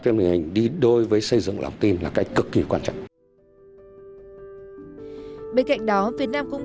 thêm hình hình đi đối với xây dựng lòng tim là cái cực kỳ quan trọng bên cạnh đó việt nam cũng